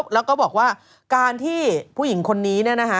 แล้วก็บอกว่าการที่ผู้หญิงคนนี้เนี่ยนะฮะ